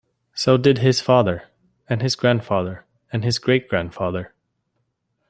So did his father, and his grandfather, and his great-grandfather!